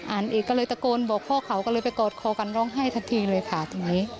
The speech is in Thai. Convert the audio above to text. อีกก็เลยตะโกนบอกพ่อเขาก็เลยไปกอดคอกันร้องไห้ทันทีเลยค่ะทีนี้